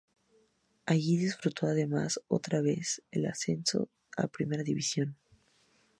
Allí disfrutó, además, otra vez, del ascenso a Primera División.